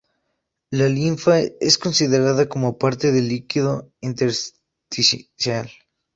La linfa es considerada como parte del líquido intersticial.